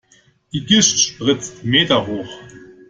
Die Gischt spritzt meterhoch.